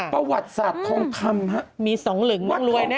ประวัติศาสตร์ทองคำฮะมีสองเหล่งยังรวยแน่